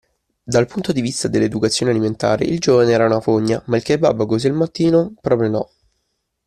Dal punto di vista dell'educazione alimentare, il giovane era una fogna, ma il kebab così al mattino proprio no.